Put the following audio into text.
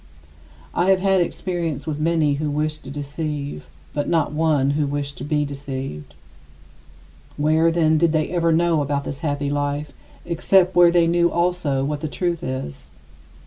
I have had experience with many who wished to deceive, but not one who wished to be deceived. Where, then, did they ever know about this happy life, except where they knew also what the truth is?